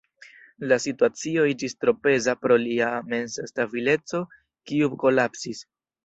La situacio iĝis tro peza por lia mensa stabileco, kiu kolapsis.